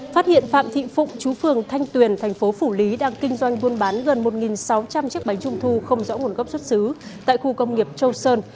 phát hiện phạm thị phụng chú phường thanh tuyền thành phố phủ lý đang kinh doanh buôn bán gần một sáu trăm linh chiếc bánh trung thu không rõ nguồn gốc xuất xứ tại khu công nghiệp châu sơn